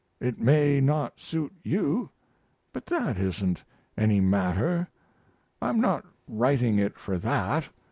It may not suit you, but that isn't any matter; I'm not writing it for that.